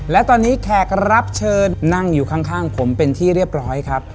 และตอนนี้แขกรับเชิญนั่งอยู่ข้างผมเป็นที่เรียบร้อยครับ